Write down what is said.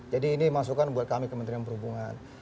jadi ini masukan buat kami kementerian perhubungan